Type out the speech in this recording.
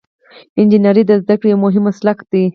انجنیری د زده کړې یو مهم مسلک دی.